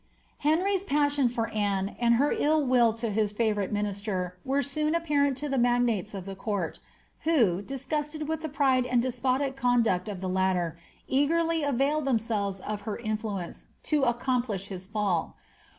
'' Henry's passion for Anne and her ill will to his &Tourit6 minislsr were soon apparent to the magnates of the court, who, disgnsted with the pride and despotic conduct of the latter, eagerly availed theaisetves of her influence to accomplish his fall.